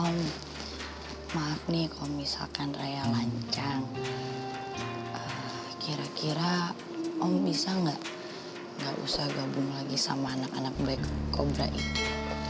mohon maaf nih kalau misalkan raya lancang kira kira om bisa nggak usah gabung lagi sama anak anak baik kobra itu